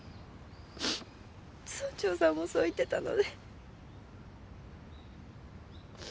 村長さんもそう言ってたので。